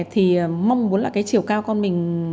thì mong muốn là cái chiều cao con mình